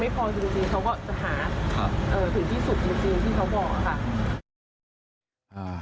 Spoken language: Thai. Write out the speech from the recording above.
พอจริงเขาก็จะหาถึงที่สุดจริงที่เขาบอกค่ะ